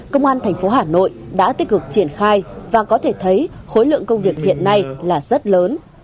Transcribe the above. công an thành phố hà nội đã tích cực triển khai và có thể thấy khối lượng công việc hiện nay là rất lớn